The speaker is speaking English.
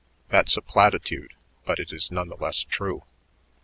That's a platitude, but it is none the less true.